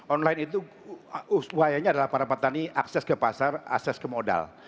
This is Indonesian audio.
online itu wayanya adalah para petani akses ke pasar akses ke modal